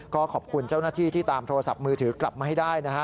ก็ขอบคุณเจ้าหน้าที่ที่ตามโทรศัพท์มือถือกลับมาให้ได้นะฮะ